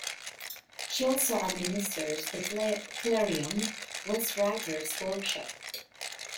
She also administers the Clarion West Writers Workshop.